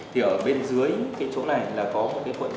thì ở bên dưới cái chỗ này là có một cái cuộn dây